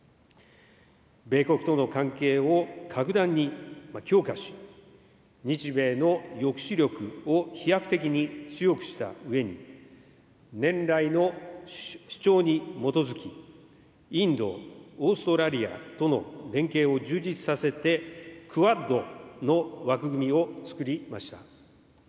米国との関係を格段に強化し、日米の抑止力を飛躍的に強くしたうえに、年来の主張に基づき、インド、オーストラリアとの連携を充実させて、クアッドの枠組みをつくりました。